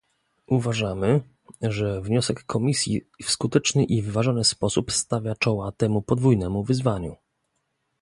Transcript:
Uważamy, że wniosek Komisji w skuteczny i wyważony sposób stawia czoła temu podwójnemu wyzwaniu